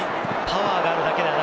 パワーがあるだけではな